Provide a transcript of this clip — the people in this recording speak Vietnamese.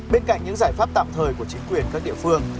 bên cạnh những giải pháp tạm thời của chính quyền các địa phương